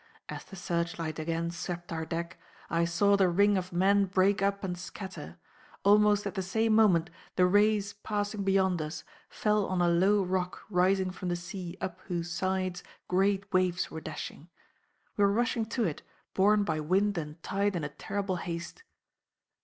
As the searchlight again swept our deck, I saw the ring of men break up and scatter; almost at the same moment the rays passing beyond us, fell on a low rock rising from the sea up whose sides great waves were dashing. We were rushing to it, borne by wind and tide in a terrible haste.